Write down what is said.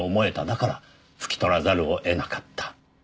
だから拭き取らざるを得なかった。